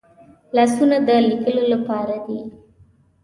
لاسونه د لیکلو لپاره دي